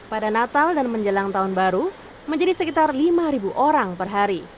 pada natal dan menjelang tahun baru menjadi sekitar lima orang per hari